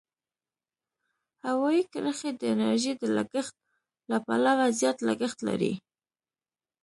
هوایي کرښې د انرژۍ د لګښت له پلوه زیات لګښت لري.